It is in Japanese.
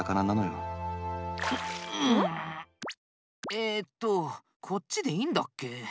えっとこっちでいいんだっけ？